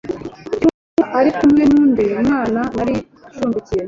cyumba ari kumwe n’undi mwana nari nshumbikiye